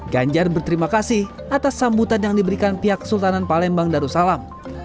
ganjar berterima kasih atas sambutan yang diberikan pihak kesultanan palembang darussalam